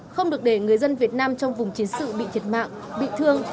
không được để người dân việt nam trong vùng chiến sự bị thiệt mạng bị thương